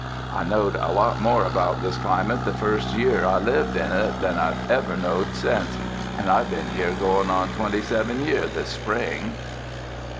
I knowed a lot more about this climate the first year 263 UNDER THE SKY IN CALIFORNIA I lived in it than I've ever knowed since and I've been here goin' on twenty seven year this spring."